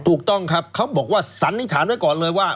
ถูกต้องครับเขาบอกว่าสันนิษฐานไว้ก่อนเลยว่า